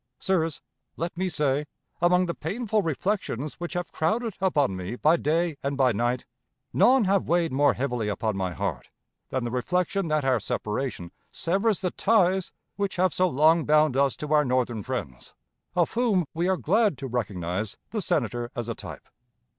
Sirs, let me say, among the painful reflections which have crowded upon me by day and by night, none have weighed more heavily upon my heart than the reflection that our separation severs the ties which have so long bound us to our Northern friends, of whom we are glad to recognize the Senator as a type.